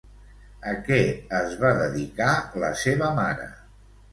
A què es va dedicar la seva mare?